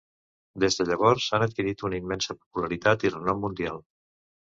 Des de llavors han adquirit una immensa popularitat i renom mundial.